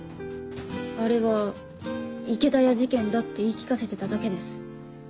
あれは池田屋事件だって言い聞かせてただけです。